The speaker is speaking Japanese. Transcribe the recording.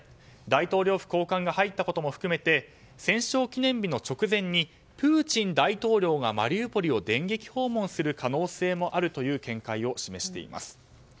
大統領府高官が入ったことも含めて戦勝記念日の直前にプーチン大統領がマリウポリを電撃訪問する可能性もあるという見解を示しています。